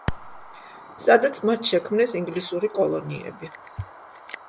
სადაც მათ შექმნეს ინგლისური კოლონიები.